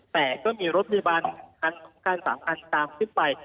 แต่ก็มีรถพยาบาลอยู่ทางทั้ง๓คันตามที่ไป